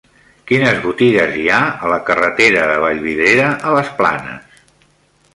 Quines botigues hi ha a la carretera de Vallvidrera a les Planes?